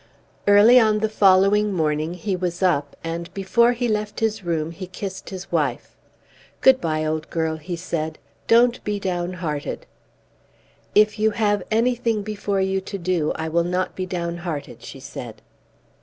Early on the following morning he was up, and before he left his room he kissed his wife. "Good bye, old girl," he said; "don't be down hearted." "If you have anything before you to do, I will not be down hearted," she said.